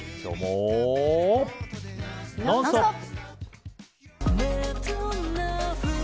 「ノンストップ！」。